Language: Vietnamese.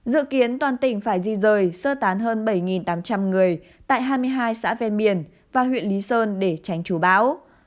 dự kiến toàn tỉnh phải di rời sơ tán hơn bảy tám trăm linh người tại hai mươi hai xã ven biển và huyện lý sơn để tránh chú bão